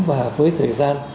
và với thời gian